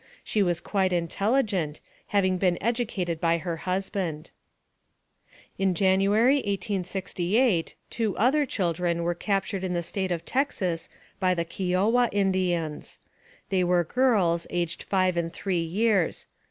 She was quite intelligent, having been educated by her husband. AMONG THE SIOUX INDIANS. 241 In January, 1868, two other children were captured in the State of Texas by the Kiowa Indians. They were girls, aged five and three years.